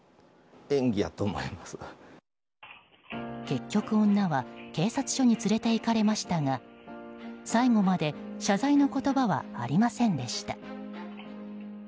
結局、女は警察署に連れていかれましたが最後まで謝罪の言葉はありませんでした。